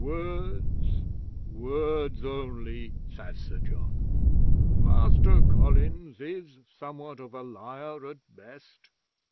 '"Words! Words only," says Sir John. "Master Collins is somewhat of a liar at best."